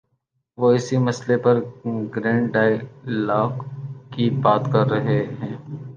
وہ اسی مسئلے پر گرینڈ ڈائیلاگ کی بات کر رہے ہیں۔